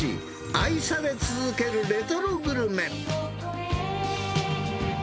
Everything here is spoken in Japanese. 愛され続けるレトログルメ。